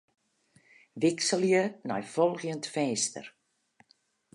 Wikselje nei folgjend finster.